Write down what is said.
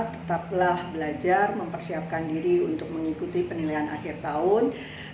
tetaplah belajar mempersiapkan diri untuk mengikuti penilaian akhir tahun